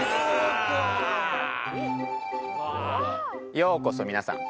ようこそ皆さん。